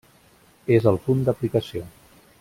És el punt d'aplicació.